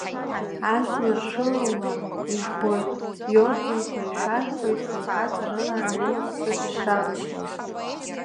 Ажәлар, шәылала ижәбоит, иорденқәа ишәарҳәоит фырхаҵарыла анемеццәа дышрабашьуаз.